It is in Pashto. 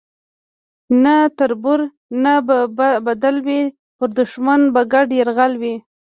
نه تربور نه به بدل وي پر دښمن به ګډ یرغل وي